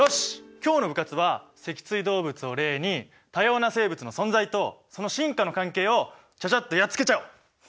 今日の部活は脊椎動物を例に多様な生物の存在とその進化の関係をチャチャッとやっつけちゃおう！